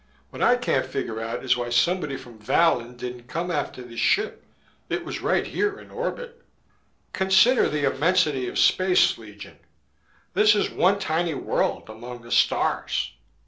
"What I can't figure out is why somebody from Vallon didn't come after this ship. It was right here in orbit." "Consider the immensity of space, Legion. This is one tiny world, among the stars."